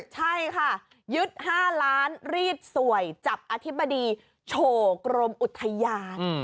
ใช่ค่ะยึด๕ล้านรีดสวยจับอธิบดีโฉกรมอุทยาน